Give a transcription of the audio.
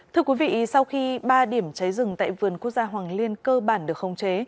thưa quý vị sau khi ba điểm cháy rừng tại vườn quốc gia hoàng liên cơ bản được khống chế